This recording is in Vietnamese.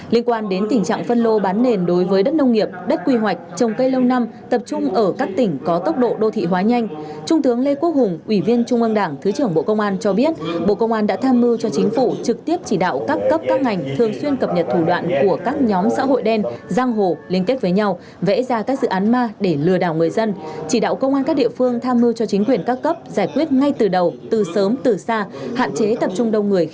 liên quan đến tình trạng phân lô bán nền đối với đất nông nghiệp đất quy hoạch trồng cây lâu năm tập trung ở các tỉnh có tốc độ đô thị hóa nhanh trung tướng lê quốc hùng ủy viên trung ương đảng thứ trưởng bộ công an cho biết bộ công an đã tham mưu cho chính phủ trực tiếp chỉ đạo các cấp các ngành thường xuyên cập nhật thủ đoạn của các nhóm xã hội đen giang hồ liên kết với nhau vẽ ra các dự án ma để lừa đảo người dân chỉ đạo công an các địa phương tham mưu cho chính quyền các cấp giải quyết ngay từ đầu từ sớm từ xa hạn